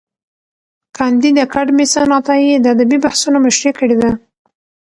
کانديد اکاډميسن عطايي د ادبي بحثونو مشري کړې ده.